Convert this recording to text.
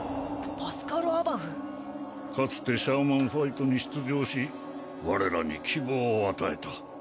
かつてシャーマンファイトに出場し我らに希望を与えた。